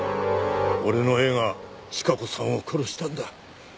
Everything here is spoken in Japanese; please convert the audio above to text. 俺の絵が千加子さんを殺したんだ。